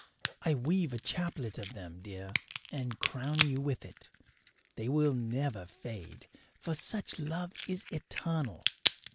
I weave a chaplet of them, dear, and crown you with it. They will never fade, for such love is eternal.